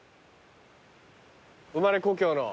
生まれ故郷の。